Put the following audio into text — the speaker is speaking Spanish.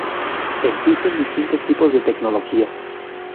Existen distintos tipos de tecnologías.